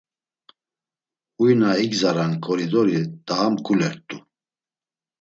Huy na igzaran ǩoridori daa mǩulert̆u.